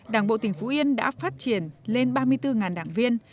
đảng bộ tỉnh phú yên đã phát triển lên ba mươi bốn đảng viên